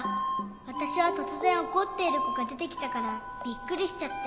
わたしはとつぜんおこっているこがでてきたからびっくりしちゃって。